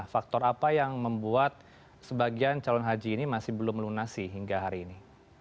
faktor apa yang membuat sebagian calon haji ini masih belum melunasi hingga hari ini